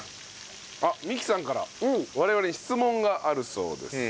あっ美希さんから我々に質問があるそうです。